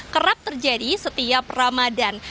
kerap terjadi setiap ramadan